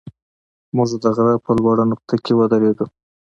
موږ د غره په لوړه نقطه کې ودرېدو.